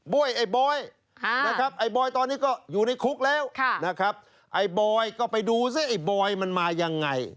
บ้วยไอ้บ๊อยไอ้บ๊อยตอนนี้ก็อยู่ในคุกแล้วไอ้บ๊อยก็ไปดูซะไอ้บ๊อยมันมายังไง